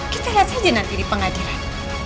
kita lihat saja nanti di pengadilan